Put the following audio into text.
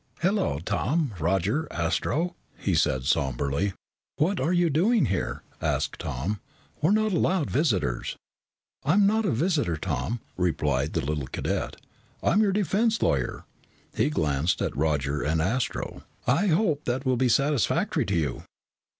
"Hello, Tom, Roger, Astro," he said somberly. "What are you doing here?" asked Tom. "We're not allowed visitors." "I'm not a visitor, Tom," replied the little cadet. "I'm your defense lawyer." He glanced at Roger and Astro. "I hope that will be satisfactory to you."